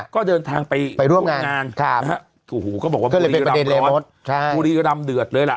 เขาเดินทางไปด้วยงานเขาบอกว่าบูรีรำร้อนบูรีรำเดือดเลยล่ะ